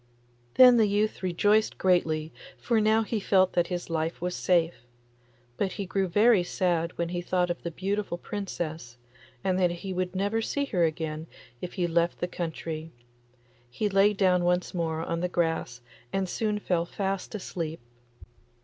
Then the youth rejoiced greatly, for now he felt that his life was safe; but he grew very sad when he thought of the beautiful Princess, and that he would never see her again if he left the country. He lay down once more on the grass and soon fell fast asleep.